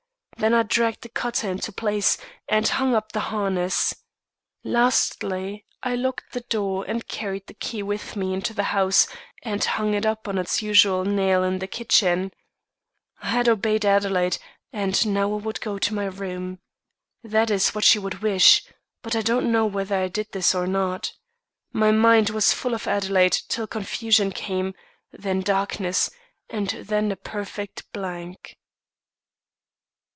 Then I dragged the cutter into place, and hung up the harness. Lastly, I locked the door and carried the key with me into the house and hung it up on its usual nail in the kitchen. I had obeyed Adelaide, and now I would go to my room. That is what she would wish; but I don't know whether I did this or not. My mind was full of Adelaide till confusion came then darkness and then a perfect blank."